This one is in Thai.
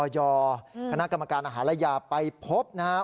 อยคณะกรรมการอาหารยาไปพบนะฮะ